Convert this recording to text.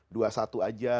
dua satu aja